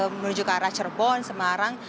menuju ke arah cerbon semarang